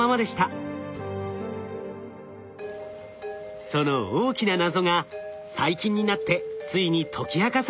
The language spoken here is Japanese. その大きな謎が最近になってついに解き明かされたのです。